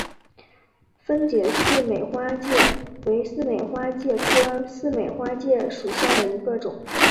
分解似美花介为似美花介科似美花介属下的一个种。